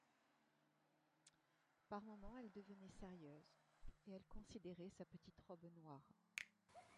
Par moments elle devenait sérieuse et elle considérait sa petite robe noire.